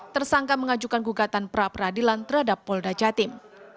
tersangka mengajukan gugatan pra peradilan terhadap polda jatim